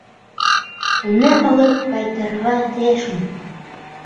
Уны алып ҡайтырға тейешмен.